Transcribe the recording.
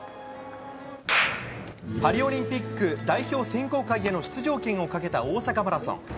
９連勝の埼玉、来週、２位東京ベパリオリンピック代表選考会への出場権をかけた大阪マラソン。